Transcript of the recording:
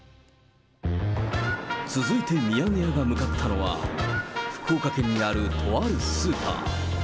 続いてミヤネ屋が向かったのは、福岡県にあるとあるスーパー。